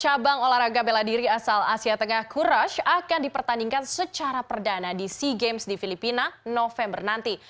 cabang olahraga bela diri asal asia tengah courage akan dipertandingkan secara perdana di sea games di filipina november nanti